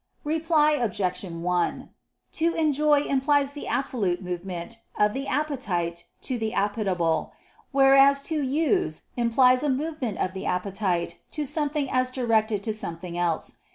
Reply Obj. 1: To enjoy implies the absolute movement of the appetite to the appetible: whereas to use implies a movement of the appetite to something as directed to something else.